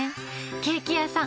ケーキ屋さん！